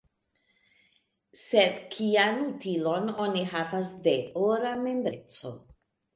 Sed kian utilon oni havas de ora membreco?